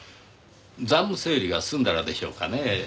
残務整理が済んだらでしょうかねぇ。